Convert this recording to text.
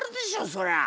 そりゃ！